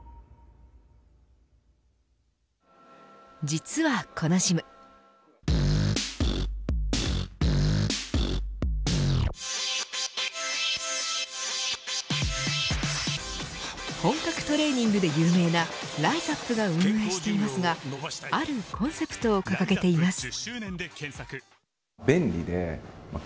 実はこのジム本格トレーニングで有名なＲＩＺＡＰが運営していますがあるコンセプトを掲げています。